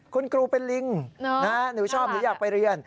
คุณครูเป็นลิงหนูชอบหนูอยากไปเรียน